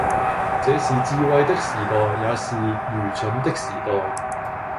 這是智慧的時代，也是愚蠢的時代，